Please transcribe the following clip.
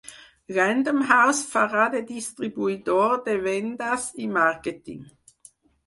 Random House farà de distribuïdor de vendes i màrqueting.